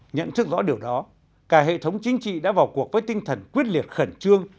nhận thức rõ điều đó cả hệ thống chính trị đã vào cuộc với tinh thần quyết liệt khẩn trương